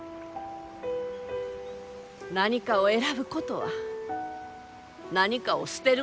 何かを選ぶことは何かを捨てることじゃ。